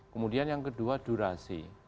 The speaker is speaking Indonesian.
kemudian yang kedua durasi